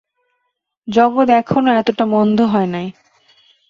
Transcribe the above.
জগৎ এখনও এতটা মন্দ হয় নাই।